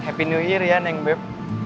happy new year ya neng bap